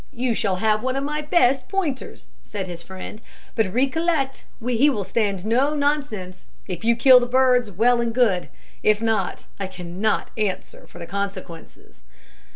"You shall have one of my best pointers," said his friend, "but recollect, he will stand no nonsense. If you kill the birds, well and good; if not, I cannot answer for the consequences."